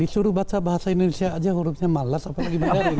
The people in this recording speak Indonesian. disuruh baca bahasa indonesia aja hurufnya malas apalagi mendadak